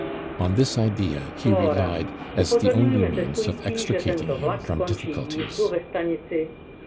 On this idea he relied as the only means of extricating him from difficulties.